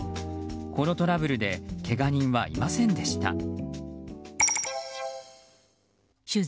このトラブルでけが人はいませんでした。